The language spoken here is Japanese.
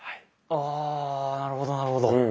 あなるほどなるほど。